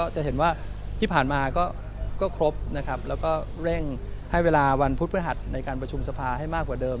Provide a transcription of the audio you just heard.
จะเห็นว่าที่ผ่านมาก็ครบนะครับแล้วก็เร่งให้เวลาวันพุธพฤหัสในการประชุมสภาให้มากกว่าเดิม